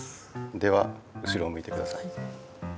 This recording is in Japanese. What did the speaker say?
では後ろをむいてください。